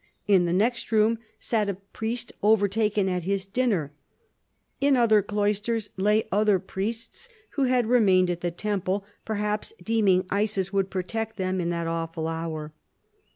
In the next room sat a priest overtaken at his dinner. In other cloisters lay other priests, who had remained at the temple, perhaps deeming Isis would protect them in that awful hour.